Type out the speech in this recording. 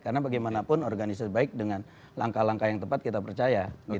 karena bagaimanapun organisasi baik dengan langkah langkah yang tepat kita percaya